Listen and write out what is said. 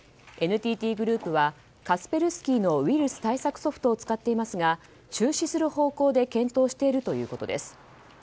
ＮＴＴグループはカスペルスキーのウイルス対策ソフトを使っていますが、中止する方向で検討しているということです。